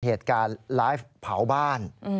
เหตุการณ์ไลฟ์เผาบ้าน